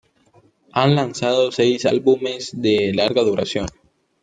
Han lanzado seis álbumes de larga duración.